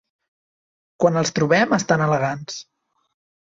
Quan els trobem, estan elegants.